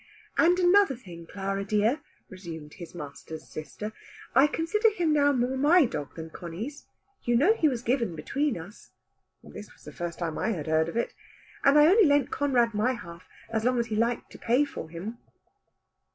"And another thing, Clara dear," resumed his master's sister, "I consider him now more my dog than Conny's. You know he was given between us" this was the first time I heard of it "and I only lent Conrad my half as long as he liked to pay for him."